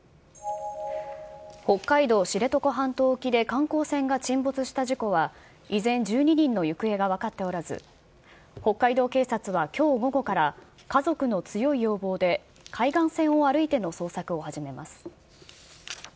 北海道知床半島沖で観光船が沈没した事故は、依然、１２人の行方が分かっておらず、北海道警察はきょう午後から、家族の強い要望で海岸線を歩いての捜索を始めます。